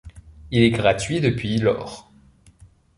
Il est gratuit depuis lors.